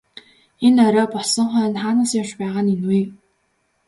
Энэ орой болсон хойно хаанаас явж байгаа нь энэ вэ?